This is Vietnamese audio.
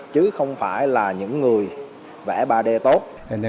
chứ không phải là những người vẽ ba d tốt